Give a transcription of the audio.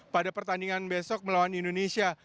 pada pertandingan besok melawan indonesia